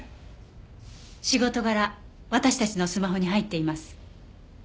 仕事柄私たちのスマホに入っています。